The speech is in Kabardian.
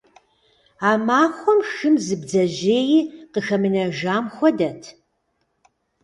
А махуэм хым зы бдзэжьеи къыхэмынэжам хуэдэт.